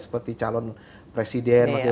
seperti calon presiden maka presiden itu kan bukan